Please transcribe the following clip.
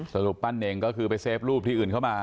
สรุปปั้นเน่งก็คือไปเซฟรูปที่อื่นเข้ามา